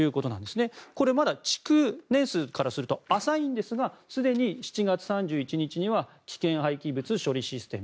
これはまだ築年数からすると浅いんですがすでに７月３１日には危険廃棄物処理システム